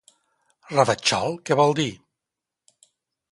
Ravatxol què vol dir?